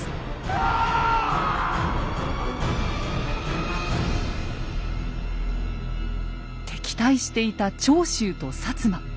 あぁっ！敵対していた長州と摩。